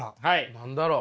何だろう。